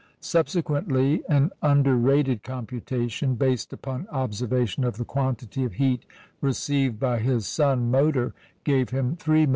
Subsequently, an "underrated computation," based upon observation of the quantity of heat received by his "sun motor," gave him 3,000,000°.